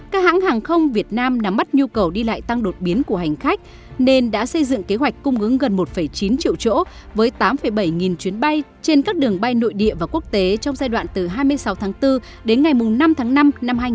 các hãng hàng không việt nam nắm mắt nhu cầu đi lại tăng đột biến của hành khách nên đã xây dựng kế hoạch cung ứng gần một chín triệu chỗ với tám bảy nghìn chuyến bay trên các đường bay nội địa và quốc tế trong giai đoạn từ hai mươi sáu tháng bốn đến ngày năm tháng năm năm hai nghìn hai mươi bốn